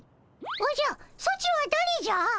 おじゃソチはだれじゃ？